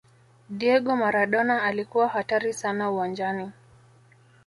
diego maradona alikuwa hatari sana uwanjani